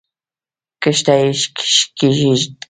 کښته یې کښېږده!